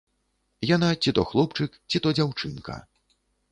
Яна ці то хлопчык, ці то дзяўчынка.